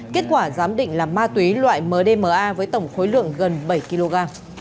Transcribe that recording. kết quả giám định là ma túy loại mdma với tổng khối lượng gần bảy kg